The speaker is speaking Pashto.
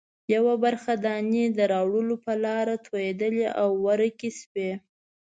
یوه برخه دانې د راوړلو په لاره توېدلې او ورکې شوې.